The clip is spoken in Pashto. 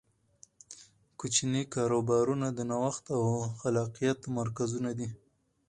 کوچني کاروبارونه د نوښت او خلاقیت مرکزونه دي.